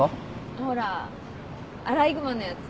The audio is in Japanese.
ほらアライグマのやつ。